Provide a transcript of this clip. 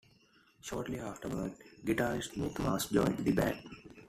Shortly afterwards, guitarist Mick Mars joined the band.